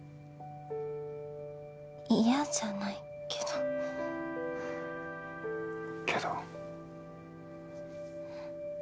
嫌じゃないけどけど？